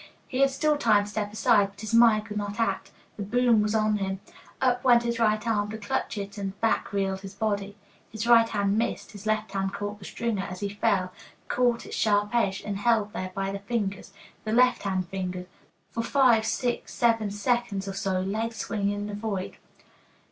He had still time to step aside, but his mind could not act. The boom was on him. Up went his right arm to clutch it, and back reeled his body. His right hand missed, his left hand caught the stringer as he fell, caught its sharp edge and held there by the fingers the left hand fingers for five, six, seven seconds or so, legs swinging in the void.